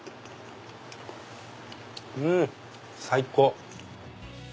うん最高！